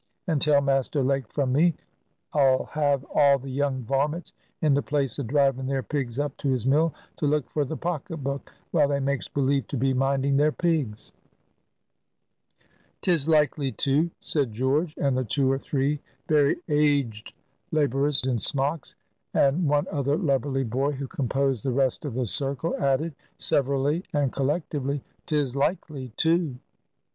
And tell Master Lake from me, 'll have all the young varments in the place a driving their pigs up to his mill, to look for the pocket book, while they makes believe to be minding their pigs." "'Tis likely, too," said George. And the two or three very aged laborers in smocks, and one other lubberly boy, who composed the rest of the circle, added, severally and collectively, "'Tis likely, too."